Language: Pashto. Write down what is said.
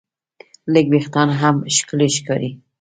لږ وېښتيان هم ښکلي ښکاري.